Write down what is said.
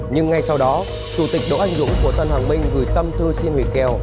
nhưng ngay sau đó chủ tịch đỗ anh dũng của tân hoàng minh gửi tâm thư xin hủy kèo